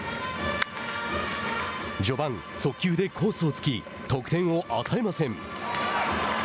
序盤、速球でコースを突き得点を与えません。